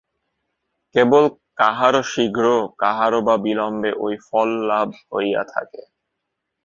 কেবল কাহারও শীঘ্র, কাহারও বা বিলম্বে ঐ ফললাভ হইয়া থাকে।